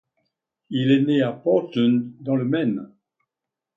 Il est né à Portland, dans le Maine.